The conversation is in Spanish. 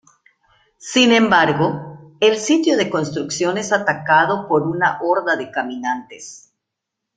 Sin embargo, el sitio de construcción es atacado por una horda de caminantes.